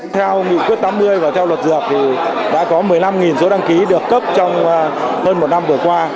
theo nghị quyết tám mươi và theo luật dược thì đã có một mươi năm số đăng ký được cấp trong hơn một năm vừa qua